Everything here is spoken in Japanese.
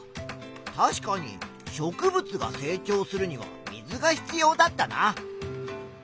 確かに植物が成長するには水が必要だったな。